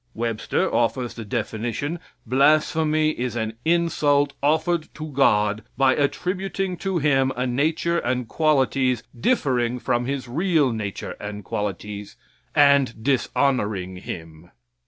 Webster offers the definition; blasphemy is an insult offered to God by attributing to Him a nature and qualities differing from His real nature and qualities, and dishonoring Him.